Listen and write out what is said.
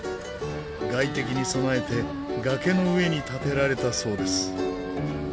外敵に備えて崖の上に建てられたそうです。